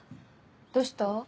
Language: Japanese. どうした？